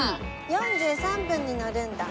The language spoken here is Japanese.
４３分に乗るんだ。